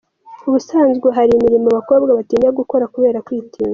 Ubusanzwe hari imirimo abakobwa batinya gukora kubera kwitinya.